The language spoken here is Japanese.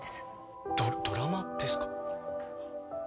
ドラマですか？